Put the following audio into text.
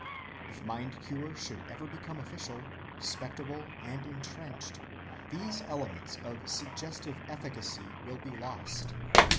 If mind‐cure should ever become official, respectable, and intrenched, these elements of suggestive efficacy will be lost.